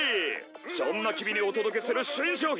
そんな君にお届けする新商品！